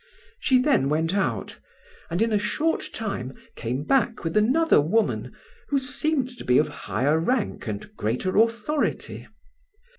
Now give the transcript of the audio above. She then went out, and in a short time came back with another woman, who seemed to be of higher rank and greater authority.